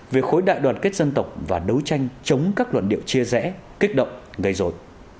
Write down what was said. về khối đại đoàn kết dân tộc và đấu tranh chống các luận điệu chia rẽ kích động gây dối